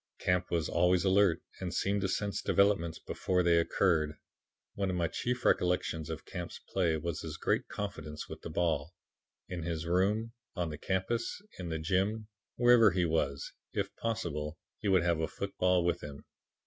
"Camp was always alert, and seemed to sense developments before they occurred. One of my chief recollections of Camp's play was his great confidence with the ball. In his room, on the campus, in the gym', wherever he was, if possible, he would have a football with him.